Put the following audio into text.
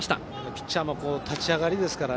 ピッチャーも立ち上がりなので。